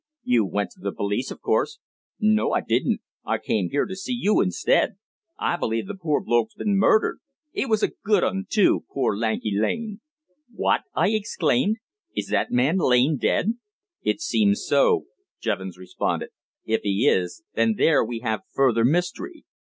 "You went to the police, of course?" "No, I didn't; I came here to see you instead. I believe the poor bloke's been murdered. 'E was a good un, too poor Lanky Lane!" "What!" I exclaimed. "Is that man Lane dead?" "It seems so," Jevons responded. "If he is, then there we have further mystery."